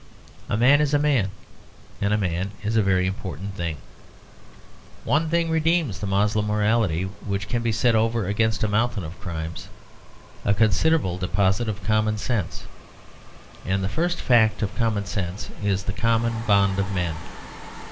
A man is a man; and a man is a very important thing. One thing redeems the Moslem morality which can be set over against a mountain of crimes; a considerable deposit of common sense. And the first fact of common sense is the common bond of men.